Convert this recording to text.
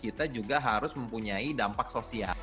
kita juga harus mempunyai dampak sosial